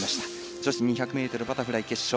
女子２００ｍバタフライ決勝。